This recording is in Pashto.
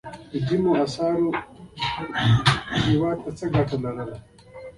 لرغونو اثار یو هیواد ته څه ګټه لري.